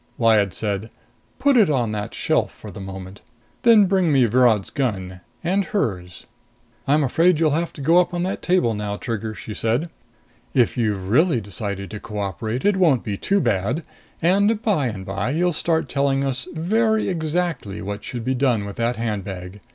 Lyad said, "Put it on that shelf for the moment. Then bring me Virod's gun, and hers." "I'm afraid you'll have to go up on that table now, Trigger," she said. "If you've really decided to cooperate, it won't be too bad. And, by and by, you'll start telling us very exactly what should be done with that handbag.